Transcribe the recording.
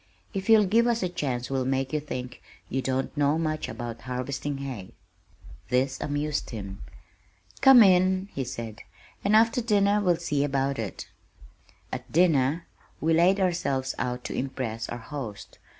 If you'll give us a chance we'll make you think you don't know much about harvesting hay." This amused him. "Come in," he said, "and after dinner we'll see about it." At dinner we laid ourselves out to impress our host.